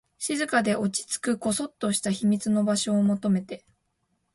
静かで、落ち着く、こそっとした秘密の場所を求めて